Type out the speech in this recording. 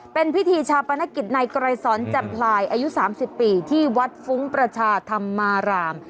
เป็นพิธีชาปนกิจในไกรสอนแจ่มพลายอายุ๓๐ปีที่วัดฟุ้งประชาธรรมาราม